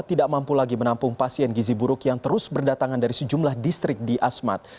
tidak mampu lagi menampung pasien gizi buruk yang terus berdatangan dari sejumlah distrik di asmat